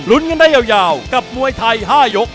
หลุ้นเงินได้ยาวกับมวยไทย๕ยก